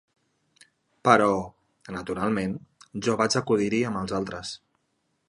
Però, naturalment, jo vaig acudir-hi amb els altres.